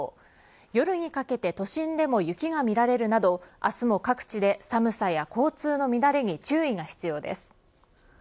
夜にかけて都心でも雪が見られるなど明日も各地で寒さや交通の乱れに注意が必要です。